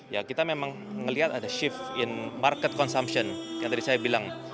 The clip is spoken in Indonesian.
ya kita memang melihat ada shift di konsumsi pasar yang tadi saya bilang